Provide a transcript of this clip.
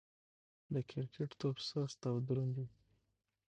د کرکټ توپ سخت او دروند يي.